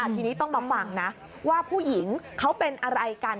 ทีนี้ต้องมาฟังนะว่าผู้หญิงเขาเป็นอะไรกัน